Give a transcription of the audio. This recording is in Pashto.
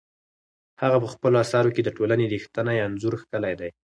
هغه په خپلو اثارو کې د ټولنې رښتینی انځور کښلی دی.